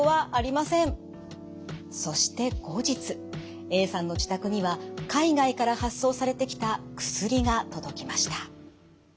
そして後日Ａさんの自宅には海外から発送されてきた薬が届きました。